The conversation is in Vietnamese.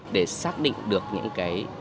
để xác định được những cái